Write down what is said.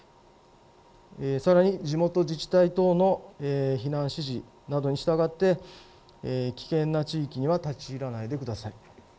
さらに地元自治体等の避難指示などに従って危険な地域には立ち入らないでください。